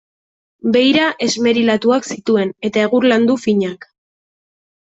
Beira esmerilatuak zituen, eta egur landu finak.